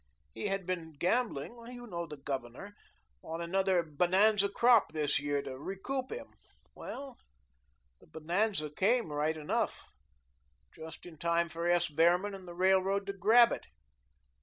He had been gambling you know the Governor on another bonanza crop this year to recoup him. Well, the bonanza came right enough just in time for S. Behrman and the Railroad to grab it.